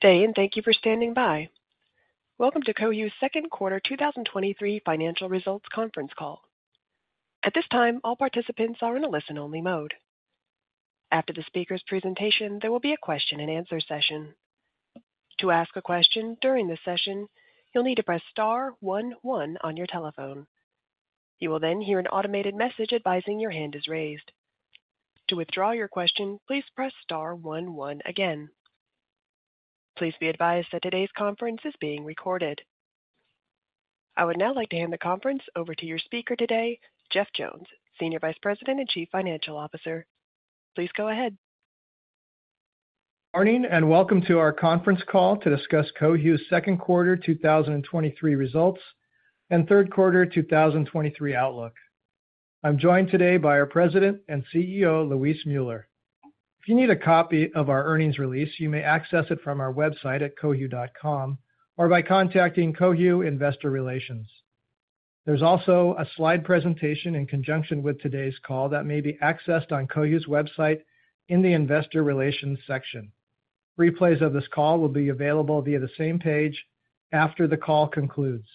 Good day, thank you for standing by. Welcome to Cohu's second quarter 2023 financial results conference call. At this time, all participants are in a listen-only mode. After the speaker's presentation, there will be a question-and-answer session. To ask a question during this session, you'll need to press star one one on your telephone. You will hear an automated message advising your hand is raised. To withdraw your question, please press star one one again. Please be advised that today's conference is being recorded. I would now like to hand the conference over to your speaker today, Jeff Jones, Senior Vice President and Chief Financial Officer. Please go ahead. Morning, and welcome to our conference call to discuss Cohu's second quarter 2023 results, and third quarter 2023 outlook. I'm joined today by our President and CEO, Luis Muller. If you need a copy of our earnings release, you may access it from our website at cohu.com or by contacting Cohu Investor Relations. There's also a slide presentation in conjunction with today's call that may be accessed on Cohu's website in the Investor Relations section. Replays of this call will be available via the same page after the call concludes.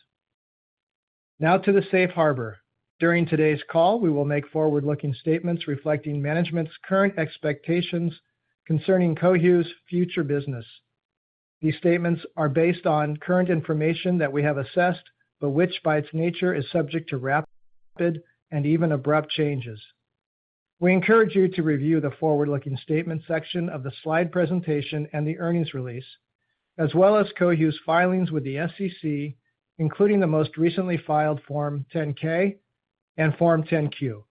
Now to the safe harbour. During today's call, we will make forward-looking statements reflecting management's current expectations concerning Cohu's future business. These statements are based on current information that we have assessed, but which, by its nature, is subject to rapid and even abrupt changes. We encourage you to review the forward-looking statement section of the slide presentation and the earnings release, as well as Cohu's filings with the SEC, including the most recently filed Form 10-K and Form 10-Q.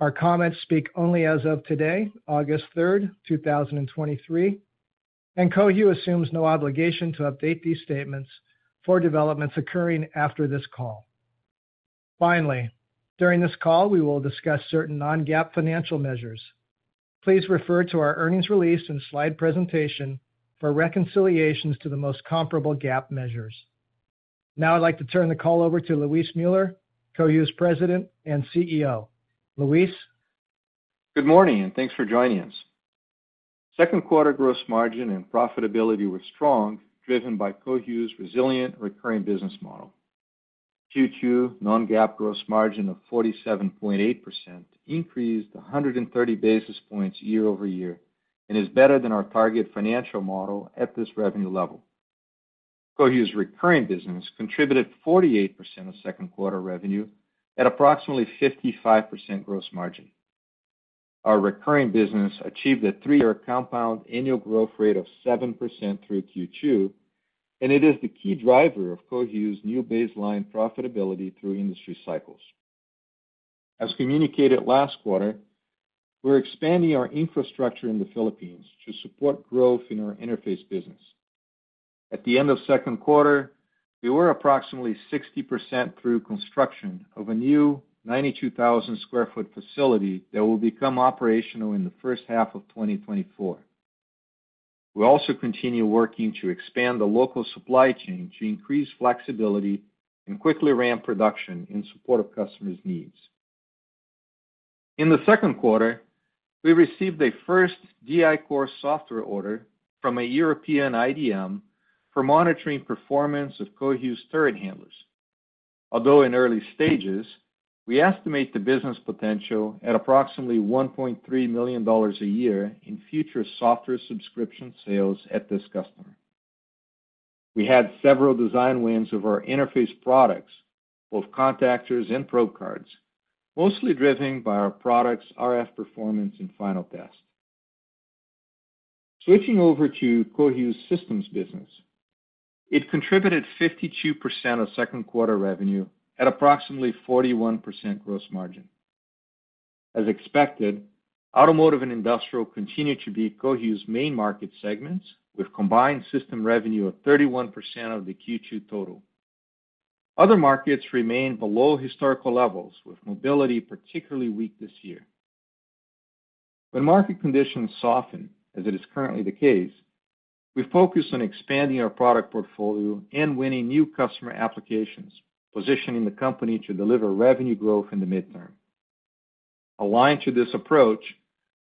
Our comments speak only as of today, August 3, 2023, and Cohu assumes no obligation to update these statements for developments occurring after this call. Finally, during this call, we will discuss certain non-GAAP financial measures. Please refer to our earnings release and slide presentation for reconciliations to the most comparable GAAP measures. Now I'd like to turn the call over to Luis Muller, Cohu's President and CEO. Luis? Good morning. Thanks for joining us. Second quarter gross margin and profitability were strong, driven by Cohu's resilient recurring business model. Q2 non-GAAP gross margin of 47.8% increased 130 basis points year-over-year and is better than our target financial model at this revenue level. Cohu's recurring business contributed 48% of second quarter revenue at approximately 55% gross margin. Our recurring business achieved a three-year compound annual growth rate of 7% through Q2, and it is the key driver of Cohu's new baseline profitability through industry cycles. As communicated last quarter, we're expanding our infrastructure in the Philippines to support growth in our interface business. At the end of second quarter, we were approximately 60% through construction of a new 92,000 sq ft facility that will become operational in the first half of 2024. We also continue working to expand the local supply chain to increase flexibility and quickly ramp production in support of customers' needs. In the second quarter, we received a first DI-Core software order from a European IDM for monitoring performance of Cohu's turret handlers. Although in early stages, we estimate the business potential at approximately $1.3 million a year in future software subscription sales at this customer. We had several design wins of our interface products, both contactors and probe cards, mostly driven by our products' RF performance and final test. Switching over to Cohu's systems business, it contributed 52% of second quarter revenue at approximately 41% gross margin. As expected, automotive and industrial continue to be Cohu's main market segments, with combined system revenue of 31% of the Q2 total. Other markets remain below historical levels, with mobility particularly weak this year. When market conditions soften, as it is currently the case, we focus on expanding our product portfolio and winning new customer applications, positioning the company to deliver revenue growth in the midterm. Aligned to this approach,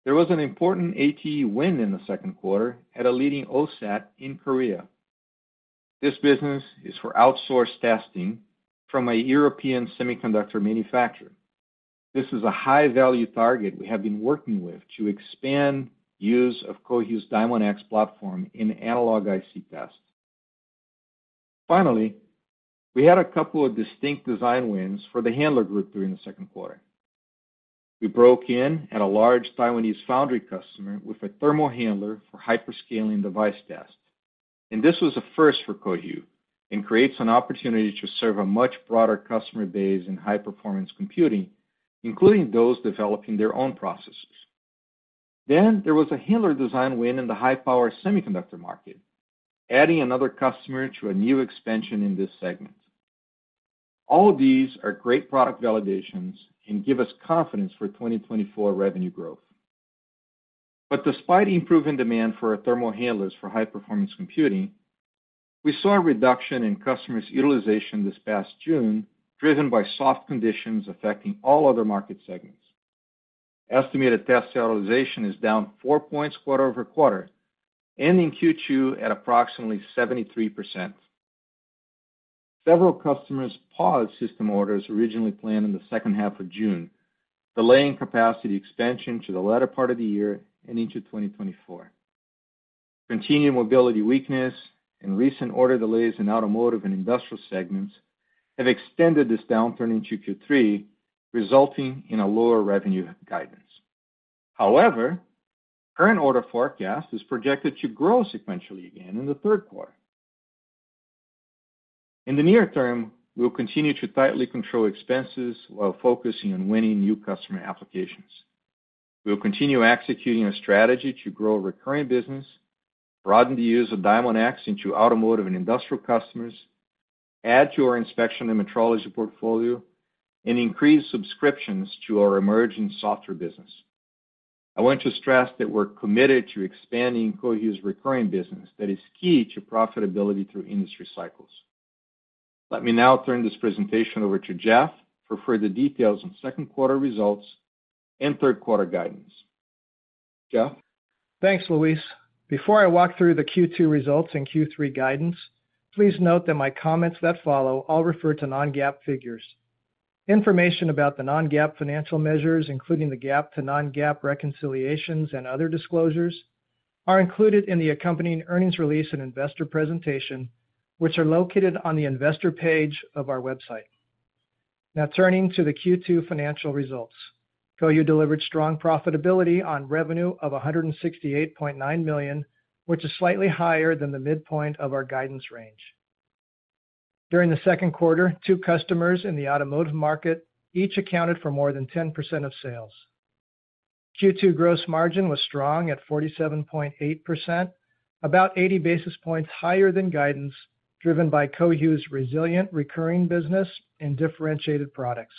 there was an important ATE win in the second quarter at a leading OSAT in Korea. This business is for outsourced testing from a European semiconductor manufacturer. This is a high-value target we have been working with to expand use of Cohu's Diamondx platform in analog IC tests. Finally, we had a couple of distinct design wins for the handler group during the second quarter. We broke in at a large Taiwanese foundry customer with a thermal handler for Hyperscaling device tests, and this was a first for Cohu and creates an opportunity to serve a much broader customer base in high-performance computing, including those developing their own processes. There was a handler design win in the high-power semiconductor market, adding another customer to a new expansion in this segment. All of these are great product validations and give us confidence for 2024 revenue growth. Despite the improving demand for our thermal handlers for high-performance computing, we saw a reduction in customers' utilization this past June, driven by soft conditions affecting all other market segments. estimated test utilization is down 4 points quarter-over-quarter, ending Q2 at approximately 73%. Several customers paused system orders originally planned in the second half of June, delaying capacity expansion to the latter part of the year and into 2024. Continuing mobility weakness and recent order delays in automotive and industrial segments have extended this downturn into Q3, resulting in a lower revenue guidance. However, current order forecast is projected to grow sequentially again in the third quarter. In the near term, we'll continue to tightly control expenses while focusing on winning new customer applications. We'll continue executing our strategy to grow recurring business, broaden the use of Diamondx into automotive and industrial customers, add to our inspection and metrology portfolio, and increase subscriptions to our emerging software business. I want to stress that we're committed to expanding Cohu's recurring business that is key to profitability through industry cycles. Let me now turn this presentation over to Jeff for further details on second quarter results and third quarter guidance. Jeff? Thanks, Luis. Before I walk through the Q2 results and Q3 guidance, please note that my comments that follow all refer to non-GAAP figures. Information about the non-GAAP financial measures, including the GAAP to non-GAAP reconciliations and other disclosures, are included in the accompanying earnings release and investor presentation, which are located on the investor page of our website. Now, turning to the Q2 financial results. Cohu delivered strong profitability on revenue of $168.9 million, which is slightly higher than the midpoint of our guidance range. During the second quarter, two customers in the automotive market each accounted for more than 10% of sales. Q2 gross margin was strong at 47.8%, about 80 basis points higher than guidance, driven by Cohu's resilient recurring business and differentiated products.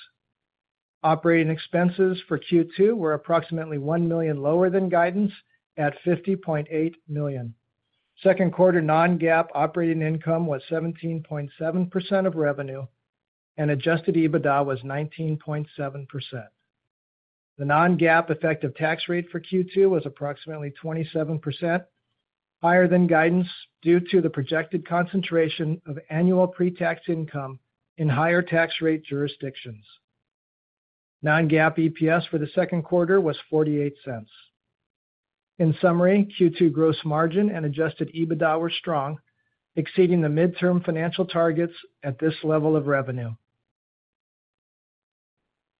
Operating expenses for Q2 were approximately $1 million lower than guidance, at $50.8 million. Second quarter non-GAAP operating income was 17.7% of revenue, and adjusted EBITDA was 19.7%. The non-GAAP effective tax rate for Q2 was approximately 27%, higher than guidance, due to the projected concentration of annual pre-tax income in higher tax rate jurisdictions. Non-GAAP EPS for the second quarter was $0.48. In summary, Q2 gross margin and adjusted EBITDA were strong, exceeding the midterm financial targets at this level of revenue.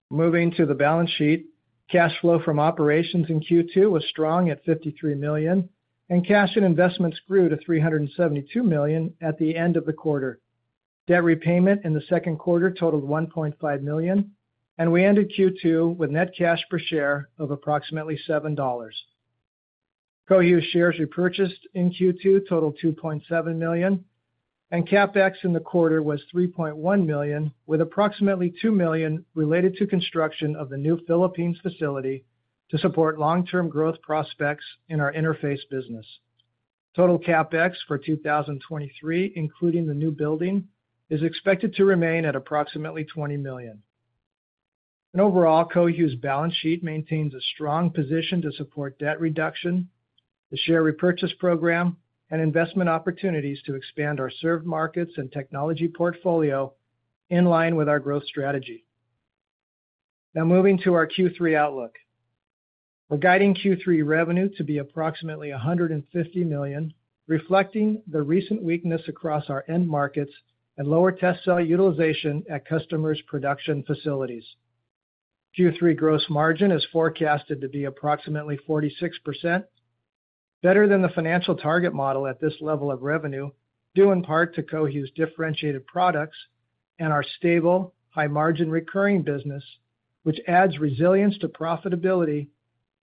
Moving to the balance sheet. Cash flow from operations in Q2 was strong at $53 million, and cash and investments grew to $372 million at the end of the quarter. Debt repayment in the second quarter totaled $1.5 million, and we ended Q2 with net cash per share of approximately $7. Cohu shares repurchased in Q2 totaled $2.7 million, and CapEx in the quarter was $3.1 million, with approximately $2 million related to construction of the new Philippines facility to support long-term growth prospects in our interface business. Total CapEx for 2023, including the new building, is expected to remain at approximately $20 million. Overall, Cohu's balance sheet maintains a strong position to support debt reduction, the share repurchase program, and investment opportunities to expand our served markets and technology portfolio in line with our growth strategy. Now, moving to our Q3 outlook. We're guiding Q3 revenue to be approximately $150 million, reflecting the recent weakness across our end markets and lower test cell utilization at customers' production facilities. Q3 gross margin is forecasted to be approximately 46%, better than the financial target model at this level of revenue, due in part to Cohu's differentiated products and our stable, high-margin recurring business, which adds resilience to profitability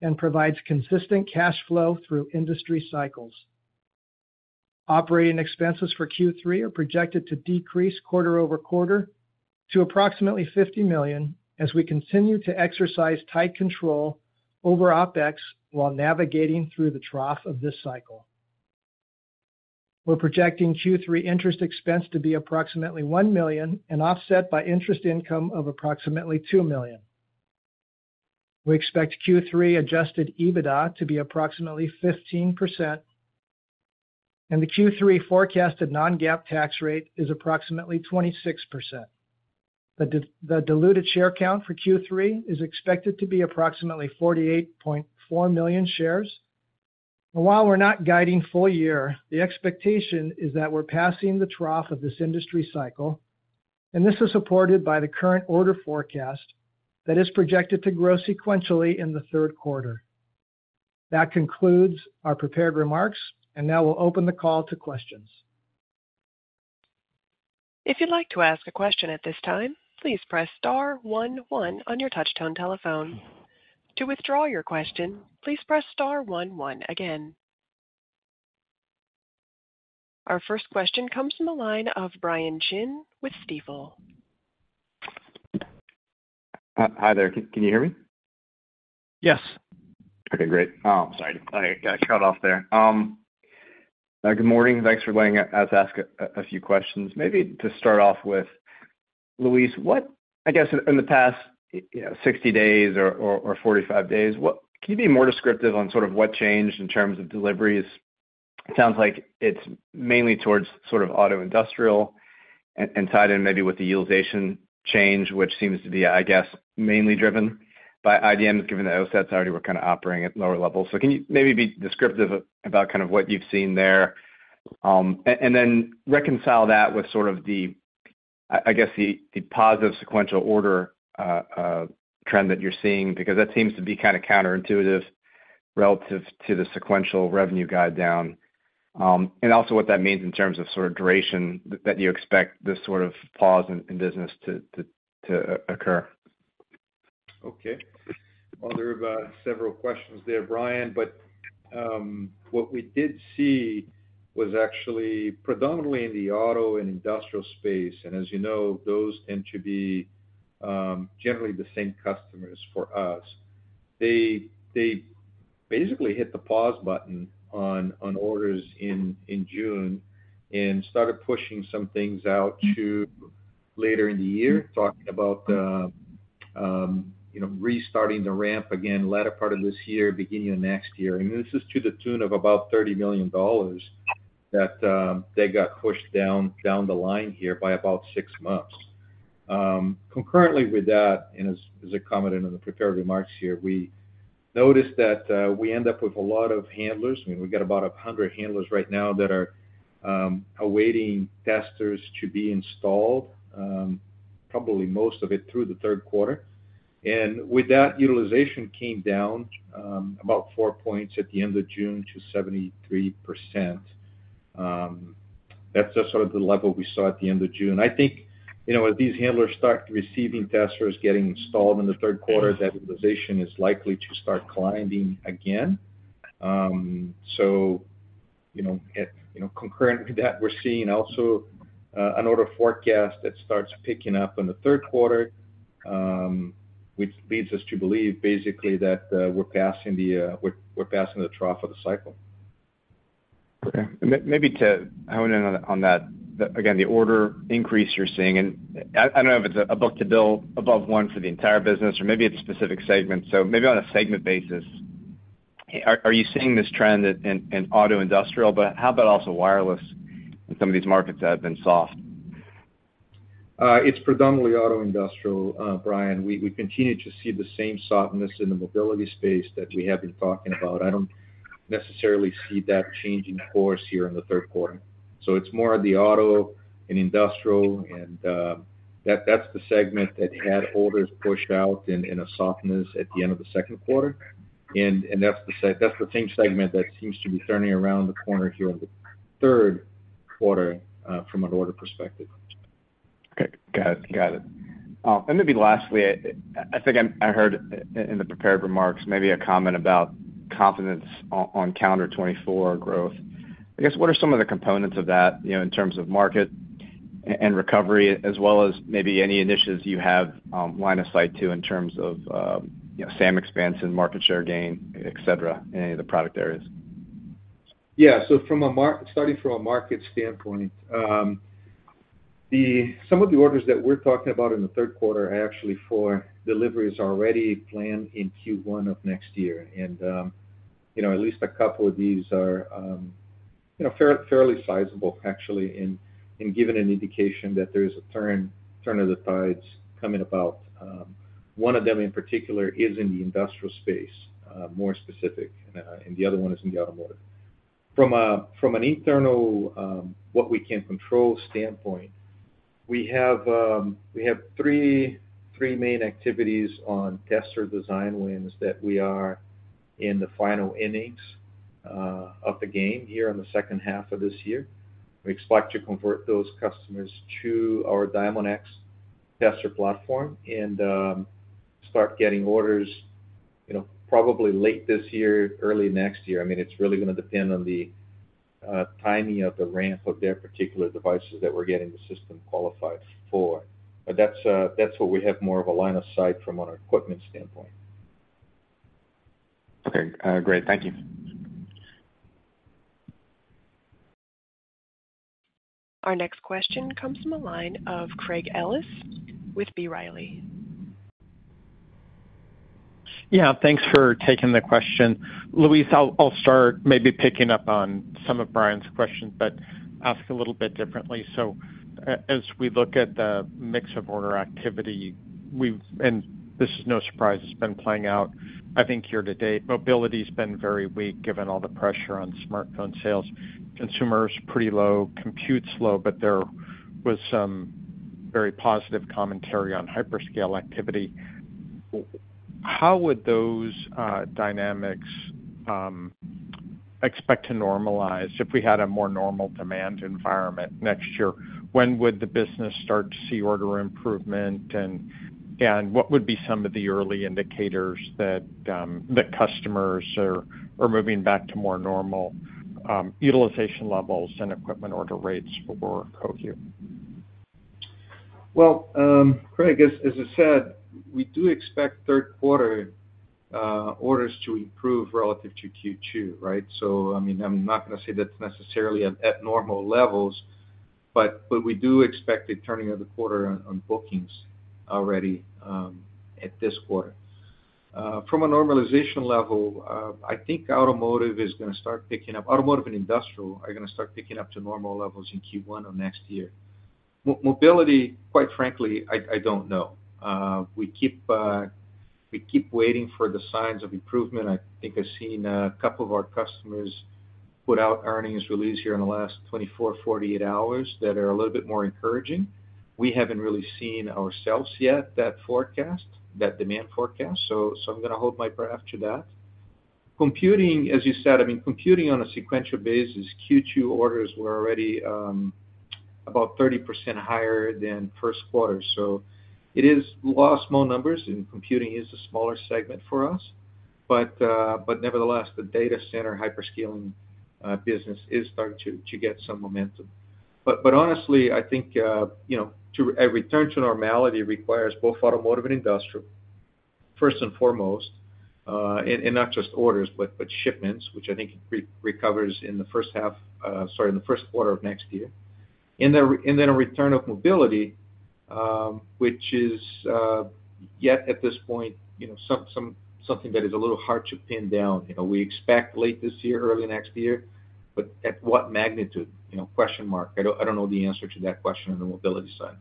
and provides consistent cash flow through industry cycles. Operating expenses for Q3 are projected to decrease quarter-over-quarter to approximately $50 million as we continue to exercise tight control over OpEx while navigating through the trough of this cycle. We're projecting Q3 interest expense to be approximately $1 million and offset by interest income of approximately $2 million. We expect Q3 adjusted EBITDA to be approximately 15%, and the Q3 forecasted non-GAAP tax rate is approximately 26%. The diluted share count for Q3 is expected to be approximately 48.4 million shares. While we're not guiding full year, the expectation is that we're passing the trough of this industry cycle, and this is supported by the current order forecast that is projected to grow sequentially in the third quarter. That concludes our prepared remarks, and now we'll open the call to questions. If you'd like to ask a question at this time, please press star one one on your touchtone telephone. To withdraw your question, please press star one one again. Our first question comes from the line of Brian Chin with Stifel. Hi there. Can you hear me? Yes. Okay, great. Oh, sorry, I got cut off there. Good morning. Thanks for letting us ask a, a few questions. Maybe to start off with, Luis, what, I guess, in the past, you know, 60 days or, or, or 45 days, what can you be more descriptive on sort of what changed in terms of deliveries? It sounds like it's mainly towards sort of auto industrial and, and tied in maybe with the utilization change, which seems to be, I guess, mainly driven by IDM, given that OSATs already were kind of operating at lower levels. Can you maybe be descriptive about kind of what you've seen there? And then reconcile that with sort of the, I, I guess, the, the positive sequential order trend that you're seeing, because that seems to be kind of counterintuitive relative to the sequential revenue guide down. Also what that means in terms of sort of duration that you expect this sort of pause in, in business to, to, to occur. Okay. Well, there are several questions there, Brian, but what we did see was actually predominantly in the auto and industrial space, and as you know, those tend to be generally the same customers for us. They, they basically hit the pause button on, on orders in, in June and started pushing some things out to later in the year, talking about, you know, restarting the ramp again, latter part of this year, beginning of next year. This is to the tune of about $30 million that they got pushed down, down the line here by about six months. Concurrently with that, and as, as I commented in the prepared remarks here, we noticed that we end up with a lot of handlers. I mean, we've got about 100 handlers right now that are awaiting testers to be installed, probably most of it through the third quarter. With that, utilization came down about 4 points at the end of June to 73%. That's just sort of the level we saw at the end of June. I think, you know, as these handlers start receiving testers, getting installed in the third quarter, that utilization is likely to start climbing again. You know, at, you know, concurrent to that, we're seeing also an order forecast that starts picking up in the third quarter, which leads us to believe basically that we're passing the, we're, we're passing the trough of the cycle. Okay. Maybe to hone in on, on that, again, the order increase you're seeing, and I, I don't know if it's a book-to-bill above 1 for the entire business, or maybe it's specific segments. Maybe on a segment basis, are you seeing this trend in, in auto industrial, but how about also wireless in some of these markets that have been soft? It's predominantly auto industrial, Brian. We, we continue to see the same softness in the mobility space that we have been talking about. I don't necessarily see that changing course here in the third quarter. It's more of the auto and industrial and, that, that's the segment that had orders pushed out in, in a softness at the end of the second quarter. That's the same segment that seems to be turning around the corner here in the third quarter, from an order perspective. Okay. Got it. Got it. Maybe lastly, I, I think I, I heard in the prepared remarks, maybe a comment about confidence on calendar 2024 growth. I guess, what are some of the components of that, you know, in terms of market and recovery, as well as maybe any initiatives you have, line of sight to in terms of, you know, SAM expansion, market share gain, et cetera, in any of the product areas? From a market standpoint, some of the orders that we're talking about in the 3rd quarter are actually for deliveries already planned in Q1 of next year. At least a couple of these are, you know, fairly sizable, actually, in, in giving an indication that there's a turn, turn of the tides coming about. One of them in particular is in the industrial space, more specific, and the other one is in the automotive. From an internal, what we can control standpoint, we have, we have three, three main activities on tester design wins that we are in the final innings of the game here in the 2nd half of this year. We expect to convert those customers to our Diamondx tester platform and, start getting orders, you know, probably late this year, early next year. I mean, it's really gonna depend on the timing of the ramp of their particular devices that we're getting the system qualified for. That's, that's what we have more of a line of sight from on an equipment standpoint. Okay. great. Thank you. Our next question comes from the line of Craig Ellis with B. Riley. Yeah, thanks for taking the question. Luis, I'll, I'll start maybe picking up on some of Brian's questions, but ask a little bit differently. As we look at the mix of order activity, we've, and this is no surprise, it's been playing out, I think, here to date. Mobility's been very weak, given all the pressure on smartphone sales. Consumer's pretty low, compute's low, but there was some very positive commentary on hyperscale activity. How would those dynamics expect to normalize if we had a more normal demand environment next year? When would the business start to see order improvement? What would be some of the early indicators that the customers are moving back to more normal utilization levels and equipment order rates for Cohu? Well, Craig, as, as I said, we do expect 3rd quarter orders to improve relative to Q2, right? I mean, I'm not gonna say that's necessarily at, at normal levels, but, but we do expect a turning of the quarter on, on bookings already at this quarter. From a normalization level, I think automotive is gonna start picking up-- automotive and industrial are gonna start picking up to normal levels in Q1 of next year. Mobility, quite frankly, I, I don't know. We keep waiting for the signs of improvement. I think I've seen a couple of our customers put out earnings release here in the last 24, 48 hours that are a little bit more encouraging. We haven't really seen ourselves yet, that forecast, that demand forecast, I'm gonna hold my breath to that. Computing, as you said, I mean, computing on a sequential basis, Q2 orders were already about 30% higher than first quarter. It is law of small numbers, and computing is a smaller segment for us. Nevertheless, the data center hyperscaling business is starting to get some momentum. Honestly, I think, you know, a return to normality requires both automotive and industrial, first and foremost, and not just orders, but shipments, which I think recovers in the first half, sorry, in the first quarter of next year. Then a return of mobility, which is yet at this point, you know, something that is a little hard to pin down. You know, we expect late this year, early next year, but at what magnitude? You know, question mark. I don't, I don't know the answer to that question on the mobility side.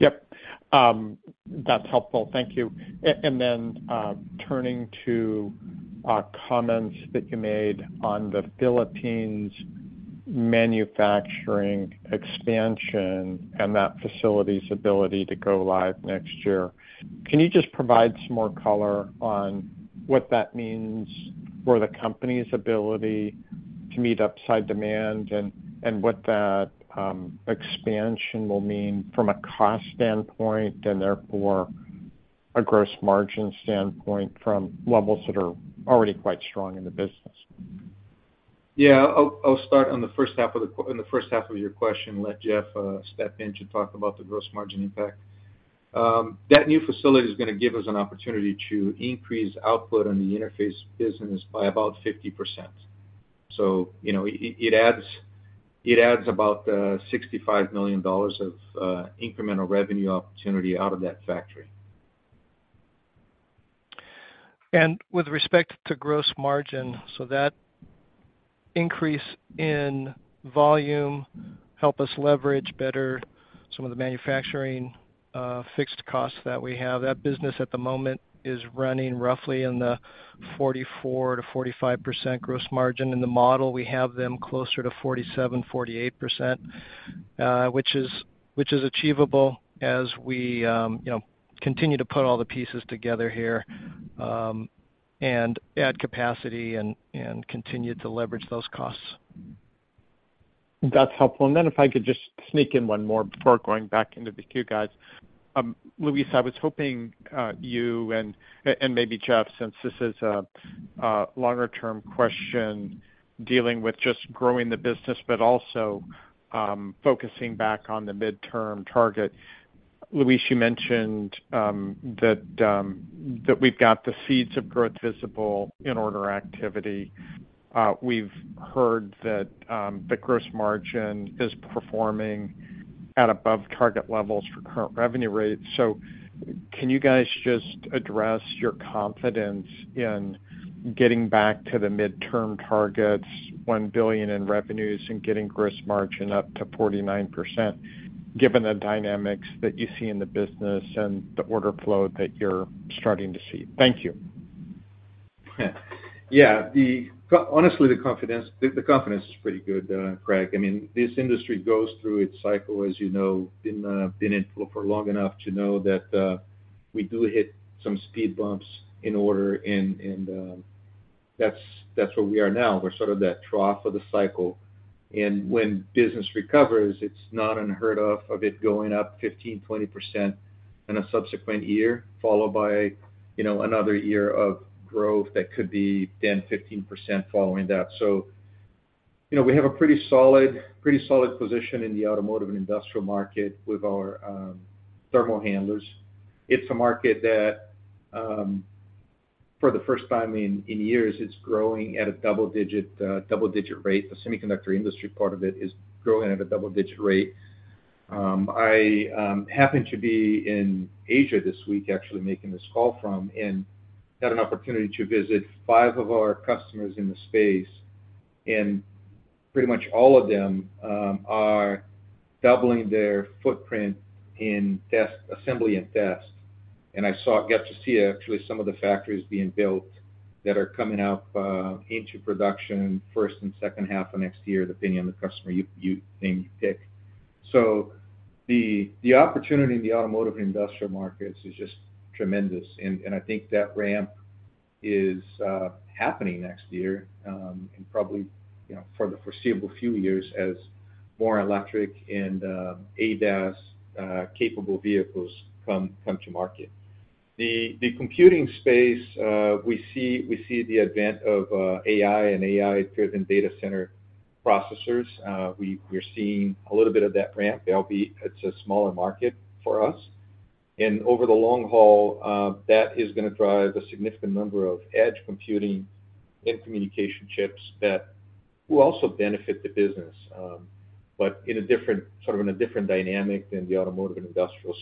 Yep. That's helpful. Thank you. Then, turning to comments that you made on the Philippines manufacturing expansion and that facility's ability to go live next year, can you just provide some more color on what that means for the company's ability to meet upside demand, and, and what that expansion will mean from a cost standpoint, and therefore a gross margin standpoint from levels that are already quite strong in the business? Yeah. I'll, I'll start on the first half of the question, and let Jeff step in to talk about the gross margin impact. That new facility is gonna give us an opportunity to increase output on the interface business by about 50%. You know, it, it adds, it adds about $65 million of incremental revenue opportunity out of that factory. With respect to gross margin, that increase in volume help us leverage better some of the manufacturing fixed costs that we have. That business at the moment is running roughly in the 44%-45% gross margin. In the model, we have them closer to 47%-48%, which is achievable as we, you know, continue to put all the pieces together here, and add capacity and, and continue to leverage those costs. That's helpful. Then if I could just sneak in one more before going back into the queue, guys. Luis, I was hoping, you and, and maybe Jeff, since this is a, a longer-term question dealing with just growing the business, but also, focusing back on the midterm target. Luis, you mentioned that we've got the seeds of growth visible in order activity. We've heard that the gross margin is performing at above target levels for current revenue rates. Can you guys just address your confidence in getting back to the midterm targets, $1 billion in revenues and getting gross margin up to 49%, given the dynamics that you see in the business and the order flow that you're starting to see? Thank you. Yeah. Honestly, the confidence, the, the confidence is pretty good, Craig. I mean, this industry goes through its cycle, as you know, been in for long enough to know that we do hit some speed bumps in order, and, and, that's, that's where we are now. We're sort of that trough of the cycle. When business recovers, it's not unheard of, of it going up 15%-20% in a subsequent year, followed by, you know, another year of growth that could be 10%-15% following that. You know, we have a pretty solid, pretty solid position in the automotive and industrial market with our thermal handlers. It's a market that, for the first time in, in years, it's growing at a double digit, double digit rate. The semiconductor industry part of it is growing at a double-digit rate. I happen to be in Asia this week, actually, making this call from, and had an opportunity to visit five of our customers in the space, and pretty much all of them are doubling their footprint in test, assembly and test. I got to see actually some of the factories being built that are coming out into production first and second half of next year, depending on the customer you, you name, you pick. The opportunity in the automotive and industrial markets is just tremendous, and, and I think that ramp is happening next year, and probably, you know, for the foreseeable few years as more electric and ADAS capable vehicles come, come to market.... The, the computing space, we see, we see the advent of AI and AI-driven data center processors. We're seeing a little bit of that ramp. It's a smaller market for us. Over the long haul, that is gonna drive a significant number of edge computing and communication chips that will also benefit the business, but in a different, sort of in a different dynamic than the automotive and industrial.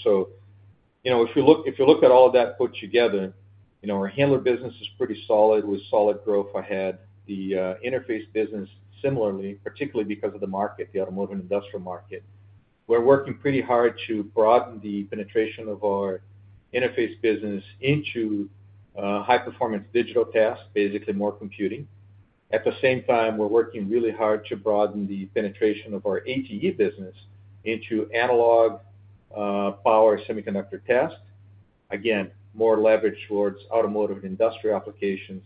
You know, if you look, if you look at all of that put together, you know, our handler business is pretty solid, with solid growth ahead. The interface business, similarly, particularly because of the market, the automotive and industrial market. We're working pretty hard to broaden the penetration of our interface business into high-performance digital tasks, basically more computing. At the same time, we're working really hard to broaden the penetration of our ATE business into analog, power semiconductor test. Again, more leverage towards automotive and industrial applications.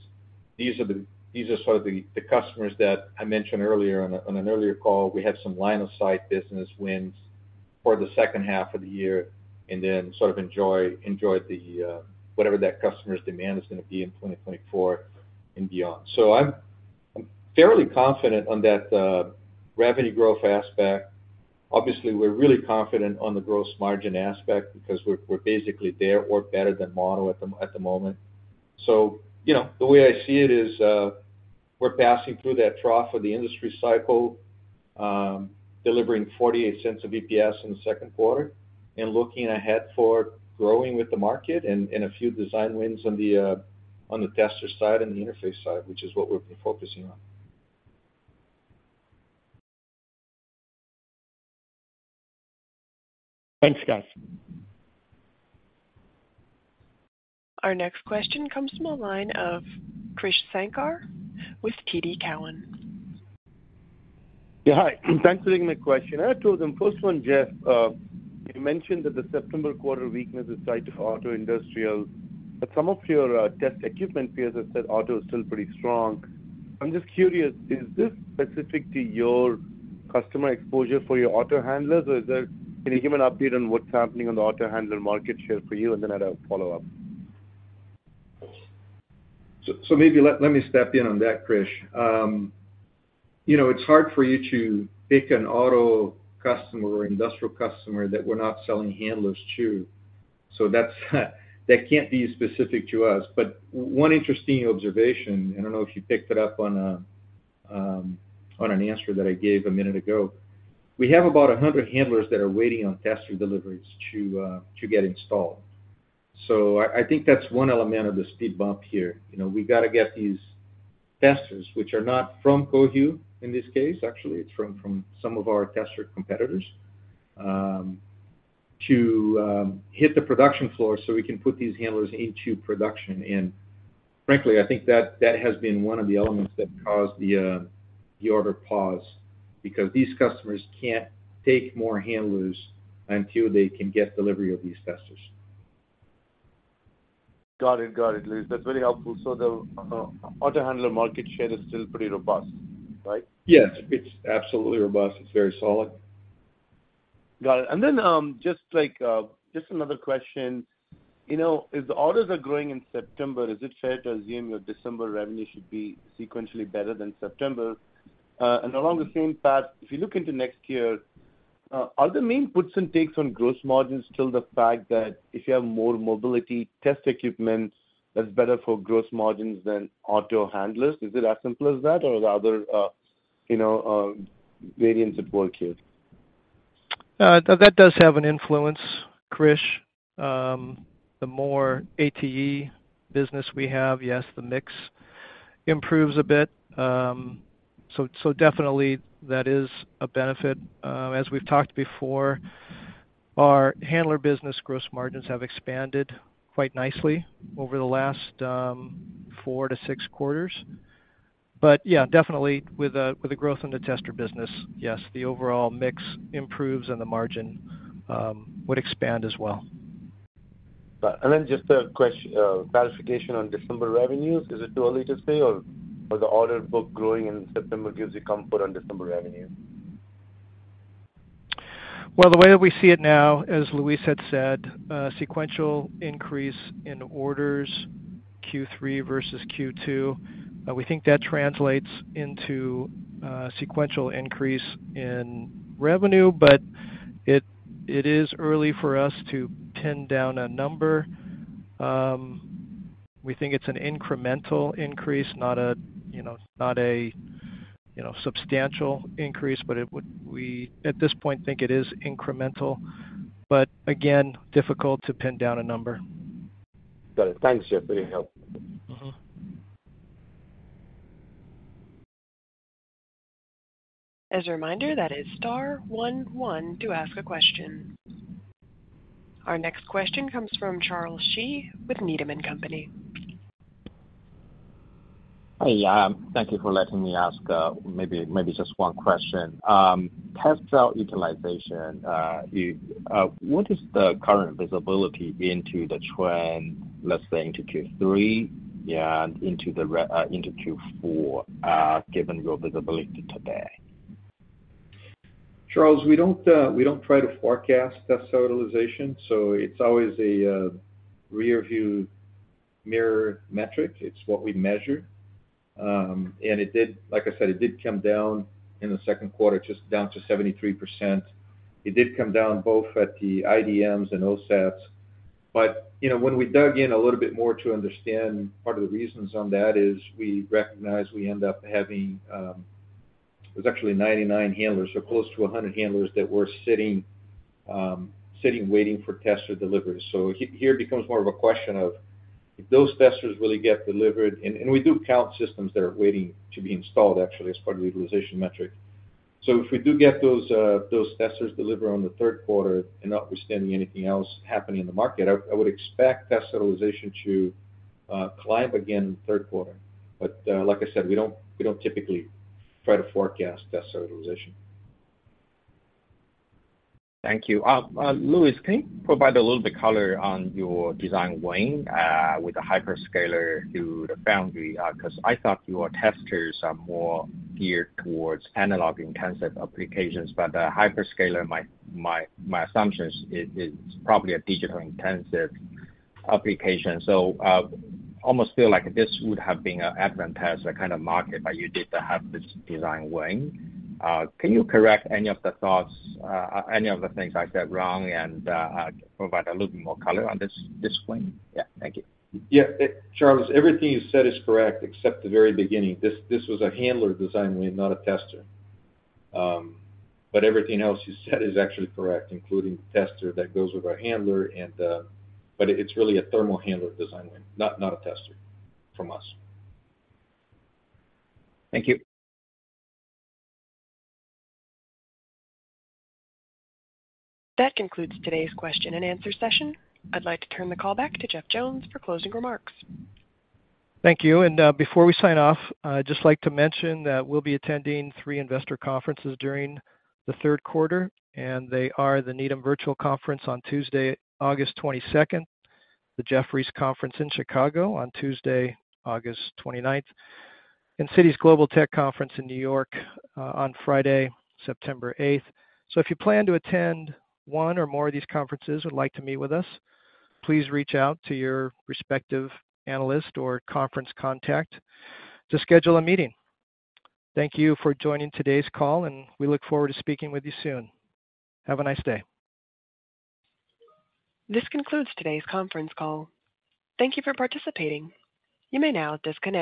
These are sort of the customers that I mentioned earlier on an earlier call. We had some line of sight business wins for the second half of the year, and then sort of enjoy, enjoy the whatever that customer's demand is gonna be in 2024 and beyond. I'm fairly confident on that revenue growth aspect. Obviously, we're really confident on the gross margin aspect because we're basically there or better than model at the moment. you know, the way I see it is, we're passing through that trough of the industry cycle, delivering $0.48 of EPS in the second quarter and looking ahead for growing with the market and, and a few design wins on the tester side and the interface side, which is what we've been focusing on. Thanks, guys. Our next question comes from the line of Krish Sankar with TD Cowen. Yeah, hi. Thanks for taking my question. I have two of them. First one, Jeff, you mentioned that the September quarter weakness is tied to auto industrial, but some of your test equipment peers have said auto is still pretty strong. I'm just curious, is this specific to your customer exposure for your auto handlers, or is there? Can you give an update on what's happening on the auto handler market share for you? I have a follow-up. Maybe let, let me step in on that, Krish. You know, it's hard for you to pick an auto customer or industrial customer that we're not selling handlers to, so that's, that can't be specific to us. One interesting observation, I don't know if you picked it up on an answer that I gave a minute ago. We have about 100 handlers that are waiting on tester deliveries to get installed. I, I think that's one element of the speed bump here. You know, we've got to get these testers, which are not from Cohu, in this case, actually, it's from, from some of our tester competitors, to hit the production floor so we can put these handlers into production. Frankly, I think that, that has been one of the elements that caused the order pause, because these customers can't take more handlers until they can get delivery of these testers. Got it. Got it, Luis. That's very helpful. The auto handler market share is still pretty robust, right? Yes, it's absolutely robust. It's very solid. Got it. Just like, just another question. You know, if the orders are growing in September, is it fair to assume your December revenue should be sequentially better than September? Along the same path, if you look into next year, are the main puts and takes on gross margins still the fact that if you have more mobility test equipment, that's better for gross margins than auto handlers? Is it as simple as that, or are there other, you know, variants at work here? That does have an influence, Krish. The more ATE business we have, yes, the mix improves a bit. So, definitely that is a benefit. As we've talked before, our handler business gross margins have expanded quite nicely over the last four to six quarters. Yeah, definitely with the growth in the tester business, yes, the overall mix improves, and the margin would expand as well. Right. Then just a clarification on December revenues. Is it too early to say, or the order book growing in September gives you comfort on December revenue? Well, the way that we see it now, as Luis had said, sequential increase in orders Q3 versus Q2, we think that translates into sequential increase in revenue, but it, it is early for us to pin down a number. We think it's an incremental increase, not a, you know, not a, you know, substantial increase, but we, at this point, think it is incremental, but again, difficult to pin down a number. Got it. Thanks, Jeff. Very helpful. Mm-hmm. As a reminder, that is star one one to ask a question. Our next question comes from Charles Shi with Needham & Company. Hey, thank you for letting me ask, maybe, maybe just 1 question. Test cell utilization, you, what is the current visibility into the trend, let's say, into Q3, yeah, and into Q4, given your visibility today? ... Charles, we don't, we don't try to forecast test utilization, so it's always a, rear view mirror metric. It's what we measure. Like I said, it did come down in the second quarter, just down to 73%. It did come down both at the IDMs and OSATs. You know, when we dug in a little bit more to understand, part of the reasons on that is we recognize we end up having, it was actually 99 handlers, so close to 100 handlers that were sitting, sitting, waiting for tester deliveries. Here it becomes more of a question of if those testers really get delivered, and we do count systems that are waiting to be installed, actually, as part of the utilization metric. If we do get those, those testers delivered on the third quarter and notwithstanding anything else happening in the market, I would expect test utilization to climb again in the third quarter. Like I said, we don't typically try to forecast test utilization. Thank you. Luis, can you provide a little bit color on your design win with the hyperscaler to the foundry? Because I thought your testers are more geared towards analog-intensive applications, but the hyperscaler, my, my, my assumption is, is it's probably a digital-intensive application. Almost feel like this would have been an Advantest, a kind of market, but you did have this design win. Can you correct any of the thoughts, any of the things I said wrong, and provide a little bit more color on this, this win? Yeah. Thank you. Yeah, Charles, everything you said is correct, except the very beginning. This was a handler design win, not a tester. Everything else you said is actually correct, including the tester that goes with our handler. It's really a thermal handler design win, not, not a tester from us. Thank you. That concludes today's question and answer session. I'd like to turn the call back to Jeff Jones for closing remarks. Thank you. Before we sign off, I'd just like to mention that we'll be attending three investor conferences during the third quarter, and they are the Needham Virtual Conference on Tuesday, August 22nd, the Jefferies Conference in Chicago on Tuesday, August 29th, and Citi's Global Tech Conference in New York on Friday, September 8th. If you plan to attend one or more of these conferences and would like to meet with us, please reach out to your respective analyst or conference contact to schedule a meeting. Thank you for joining today's call, and we look forward to speaking with you soon. Have a nice day. This concludes today's conference call. Thank you for participating. You may now disconnect.